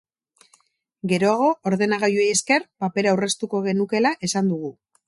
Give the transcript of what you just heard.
Geroago, ordenagailuei esker, papera aurreztuko genukeela esan dugu.